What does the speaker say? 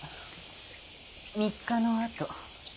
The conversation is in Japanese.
３日のあと。